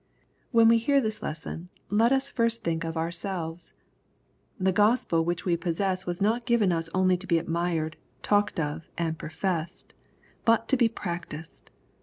When we hear this lesson, let us first think of our selves. The Gospel which we possess was not given us only to be admired, talked of, and professed, — ^but to be practised.